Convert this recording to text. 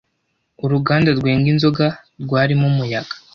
uruganda rwenga inzoga rwarimo umuyaga